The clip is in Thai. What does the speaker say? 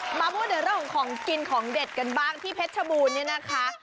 มาพูดถึงเรื่องของของกินของเด็ดกันบ้างที่เพชรชบูรณ์เนี่ยนะคะ